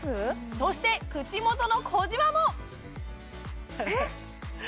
そして口元の小じわもえ！？